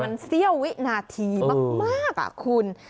มันเสี้ยววินาทีมากคุณ